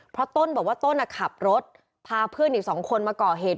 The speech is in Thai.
เพราะต้นบอกว่าต้นขับรถพาเพื่อนอีกสองคนมาก่อเหตุ